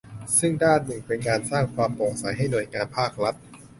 ซึ่งด้านหนึ่งเป็นการสร้างความโปร่งใสให้หน่วยงานภาครัฐ